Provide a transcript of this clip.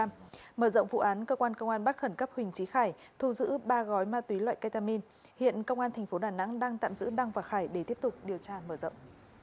mở rộng vụ án cơ quan công an bắt khẩn cấp huỳnh trí khải thu giữ ba gói ma túy loại ketamin hiện công an tp đà nẵng đang tạm giữ đăng và khải để tiếp tục điều tra mở rộng